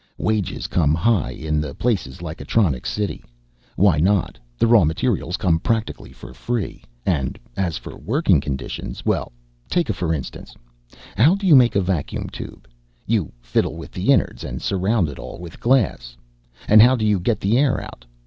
Wages come high in the places like Atronics City. Why not, the raw materials come practically for free. And as for working conditions, well, take a for instance. How do you make a vacuum tube? You fiddle with the innards and surround it all with glass. And how do you get the air out?